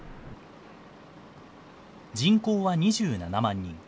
人口は２７万人。